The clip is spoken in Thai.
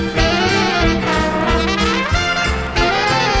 สวัสดีครับ